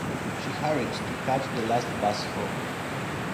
She hurried to catch the last bus home.